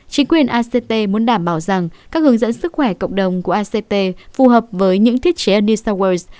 chính quyền act muốn đảm bảo rằng các hướng dẫn sức khỏe cộng đồng của act phù hợp với những thiết chế new south wales